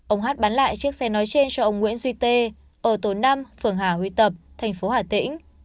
ông hát bán lại chiếc xe nói trên cho ông nguyễn duy tê ở tổ năm phường hà huy tập thành phố hà tĩnh